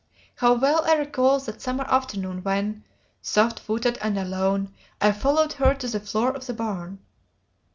How well I recall that summer afternoon when, soft footed and alone, I followed her to the floor of the barn.